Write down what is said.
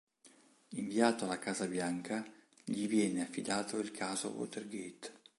Invitato alla Casa Bianca, gli viene affidato il caso Watergate